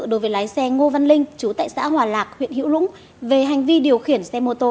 đối với lái xe ngô văn linh chú tại xã hòa lạc huyện hữu lũng về hành vi điều khiển xe mô tô